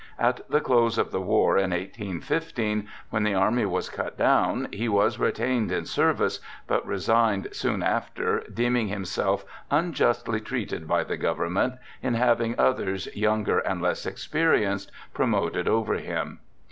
At the close of the war, in 1815, when the army was cut down, he was retained in service, but resigned soon after, deeming himself unjustly treated by the government in having others, younger and less experienced, promoted over him.